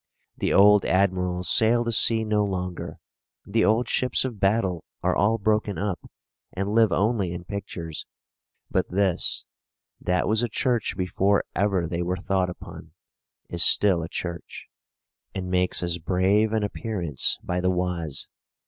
The old admirals sail the sea no longer; the old ships of battle are all broken up, and live only in pictures; but this, that was a church before ever they were thought upon, is still a church, and makes as brave an appearance by the Oise.